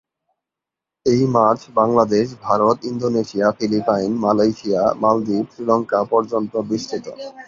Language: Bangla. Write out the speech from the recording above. এই মাছ Bangladesh, Bharat, Indonesia, Philippines, Malaysia, মালদ্বীপ, শ্রীলঙ্কা পর্যন্ত বিস্তৃত।